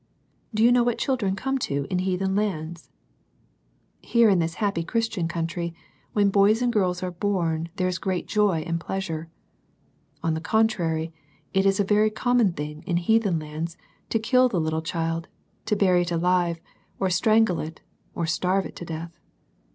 Do you know what children come to in heathen lands ? Here in this happy Christian country, when boys and girls are bom there is great joy and pleasure. On the contrary, it is a very common thing in heathen lands to kill the little child, to bury it alive, or strangle it, or starve it to death.